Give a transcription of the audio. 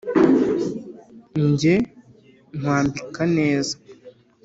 njye nkwambika neza